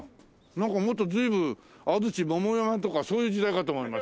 なんかもっと随分安土桃山とかそういう時代かと思いましたけど。